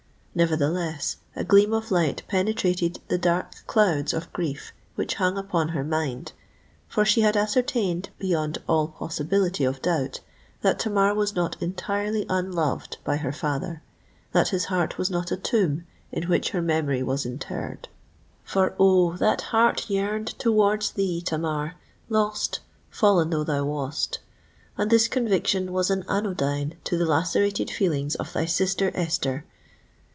Nevertheless, a gleam of light penetrated the dark clouds of grief which hung upon her mind; for she had ascertained, beyond all possibility of doubt, that Tamar was not entirely unloved by her father—that his heart was not a tomb in which her memory was interred! For, oh! that heart yearned towards thee, Tamar—lost, fallen though thou wast! and this conviction was an anodyne to the lacerated feelings of thy sister Esther!